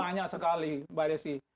banyak sekali mbak desi